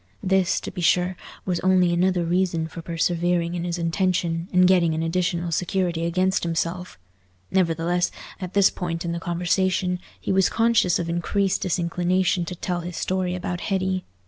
This, to be sure, was only another reason for persevering in his intention, and getting an additional security against himself. Nevertheless, at this point in the conversation, he was conscious of increased disinclination to tell his story about Hetty.